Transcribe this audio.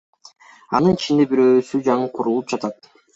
Анын ичинде бирөөсү жаңы курулуп жатат.